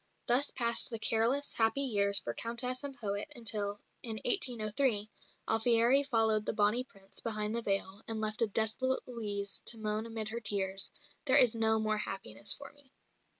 Thus passed the careless, happy years for Countess and poet until, in 1803, Alfieri followed the "Bonnie Prince" behind the veil, and left a desolate Louise to moan amid her tears, "There is no more happiness for me."